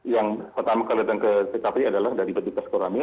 yang pertama kali datang ke tkp adalah dari petugas koramil